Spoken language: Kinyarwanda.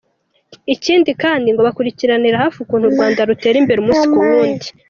Ikindi kandi ngo bakurikiranira hafi ukuntu u Rwanda rutera imbere umunsi ku wundi.